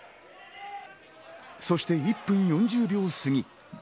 そして１分４０秒過ぎ。